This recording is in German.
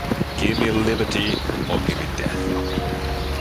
Give me Liberty, or give me Death!